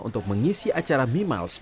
untuk mengisi acara mimals